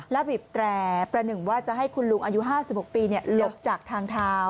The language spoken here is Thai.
บีบแตรประหนึ่งว่าจะให้คุณลุงอายุ๕๖ปีหลบจากทางเท้า